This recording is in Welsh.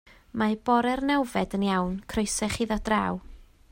Mae bore'r nawfed yn iawn - croeso i chi ddod draw.